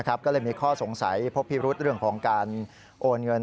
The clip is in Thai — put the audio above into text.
ก็เลยมีข้อสงสัยพบพิรุษเรื่องของการโอนเงิน